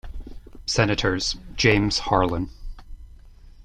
Senators, James Harlan.